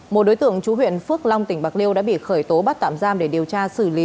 một đối tượng chú huyện phước long tỉnh bạc liêu đã bị khởi tố bắt tạm giam để điều tra xử lý